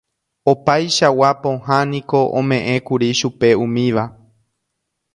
Opaichagua pohã niko ome'ẽkuri chupe umíva